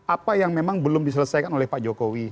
apa yang memang belum diselesaikan oleh pak jokowi